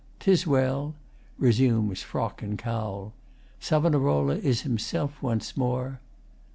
'Tis well. [Resumes frock and cowl.] Savonarola is himself once more.